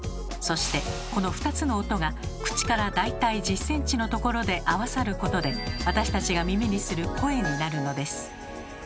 そしてこの２つの音が口から大体１０ｃｍのところで合わさることで私たちが耳にする「声」になるのです。